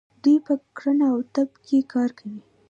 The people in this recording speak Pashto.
دوی په کرنه او طب کې کار کوي.